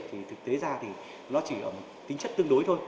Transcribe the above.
thì thực tế ra thì nó chỉ tính chất tương đối thôi